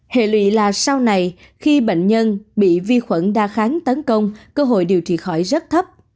hệ lụy là sau này khi bệnh nhân bị vi khuẩn đa kháng tấn công cơ hội điều trị khỏi rất thấp